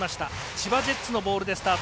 千葉ジェッツのボールでスタート。